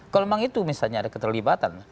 kalau memang itu misalnya ada keterlibatan